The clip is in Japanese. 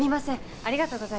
ありがとうございます。